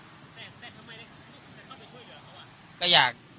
แต่เขาช่วยเหลือเขาอ่ะ